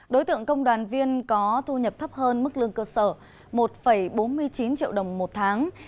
đối tượng công đoàn viên có thu nhập thấp hơn mức lương cơ sở một bốn mươi chín triệu đồng một tháng